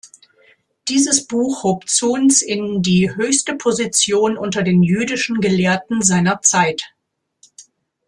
Dieses Buch hob Zunz in die höchste Position unter den jüdischen Gelehrten seiner Zeit.